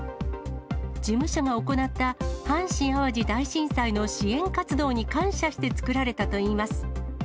事務所が行った阪神・淡路大震災の支援活動に感謝して作られたといいます。